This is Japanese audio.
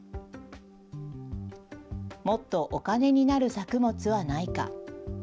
もっとお金になる作物はないか。